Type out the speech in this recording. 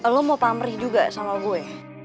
lo mau pamrih juga sama gue